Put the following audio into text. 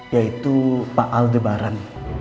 yaitu pak aldebaran